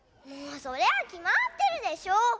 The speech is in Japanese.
そりゃあきまってるでしょ。